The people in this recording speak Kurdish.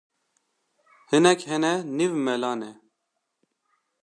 Hinek hene nîv mela ne